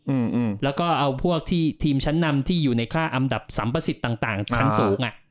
อืมแล้วก็เอาพวกที่ทีมชั้นนำที่อยู่ในค่าอันดับสัมประสิทธิ์ต่างต่างชั้นสูงอ่ะ